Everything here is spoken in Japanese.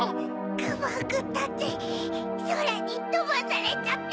カバオくんたちそらにとばされちゃって。